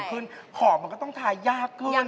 ไม่ได้ขอบมันก็ต้องทายยากขึ้นยากขึ้น